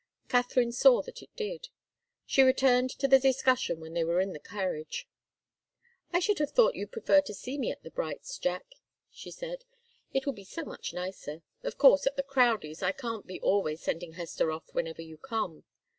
Katharine saw that it did. She returned to the discussion when they were in the carriage. "I should have thought you'd prefer to see me at the Brights', Jack," she said. "It would be so much nicer. Of course, at the Crowdies' I can't be always sending Hester off whenever you come.